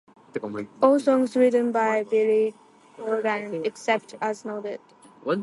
All songs written by Billy Corgan, except as noted.